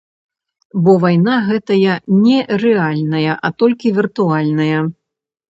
Бо вайна гэтая не рэальная, а толькі віртуальная.